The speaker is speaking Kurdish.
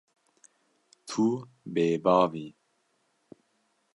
Tu bêbav î.